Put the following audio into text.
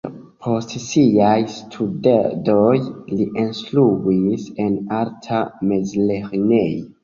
Post siaj studoj li instruis en arta mezlernejo.